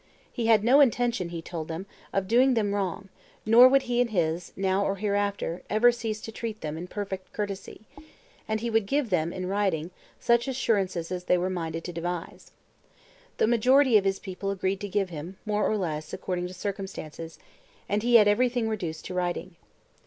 He had no intention, he told them, of doing them wrong, nor would he and his, now or hereafter, ever cease to treat with them in perfect courtesy; and he would give them, in writing, such assurances as they were minded to devise. The majority of his people agreed to give him, more or less, according to circumstances; and he had everything reduced to writing."